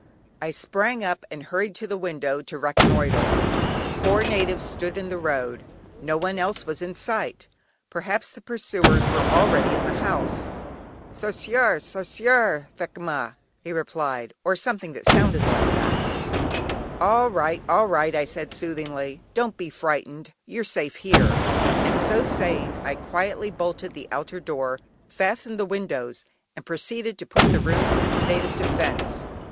I sprang up and hurried to the window to reconnoitre; four natives stood in the road; no one else was in sight; perhaps the pursuers were already in the house. "Sarsiar, sarsiar, thekinma," he repeated, (or something that sounded like that). "All right, all right" I said soothingly: "don't be frightened, you're safe here," and so saying I quietly bolted the outer door, fastened the windows, and proceeded to put the room in a state of defence.